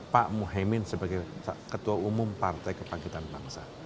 pak mohaimin sebagai ketua umum partai kepakitan bangsa